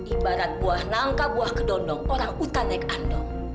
ibarat buah nangka buah kedondong orang utanek andong